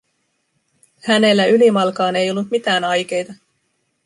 Hänellä ylimalkaan ei ollut mitään aikeita.